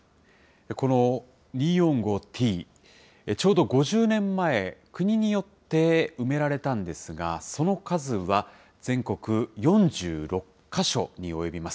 この２，４，５ーＴ、ちょうど５０年前、国によって埋められたんですが、その数は全国４６か所に及びます。